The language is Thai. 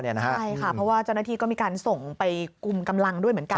ใช่ค่ะเพราะว่าเจ้าหน้าที่ก็มีการส่งไปกุมกำลังด้วยเหมือนกัน